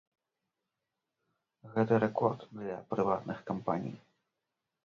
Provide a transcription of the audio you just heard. Гэта рэкорд для прыватных кампаній.